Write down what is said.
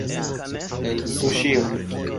suŝio